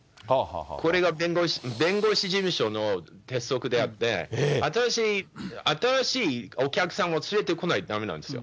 これが弁護士事務所の鉄則であって、新しいお客さんを連れてこないとだめなんですよ。